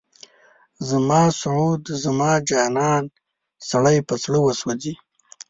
زما سعود، زما جانان، سړی په زړه وسوځي